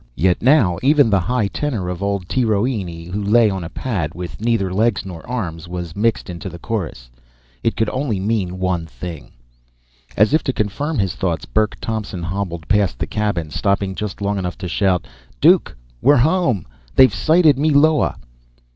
Yet now even the high tenor of old Teroini, who lay on a pad with neither legs nor arms, was mixed into the chorus. It could mean only one thing! As if to confirm his thoughts, Burke Thompson hobbled past the cabin, stopping just long enough to shout. "Duke, we're home! They've sighted Meloa!"